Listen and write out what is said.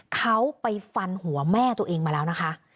เขาไปฟันหัวแม่ตัวเองมาแล้วนะคะ